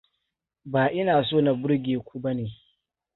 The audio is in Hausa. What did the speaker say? Ba ina son na burge ku bane.